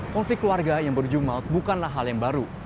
konflik keluarga yang berjumaut bukanlah hal yang baru